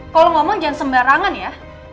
kalau ngomong jangan sembarangan ya